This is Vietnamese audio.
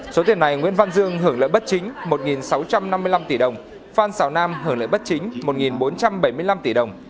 số tiền này nguyễn văn dương hưởng lợi bất chính một sáu trăm năm mươi năm tỷ đồng phan xào nam hưởng lợi bất chính một bốn trăm bảy mươi năm tỷ đồng